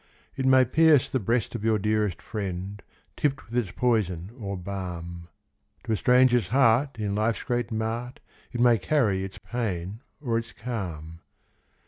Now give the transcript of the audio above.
It may pierce the breast of your dearest friend, Tipped with its poison or balm; To a stranger's heart in life's great mart, It may carry its pain or its calm.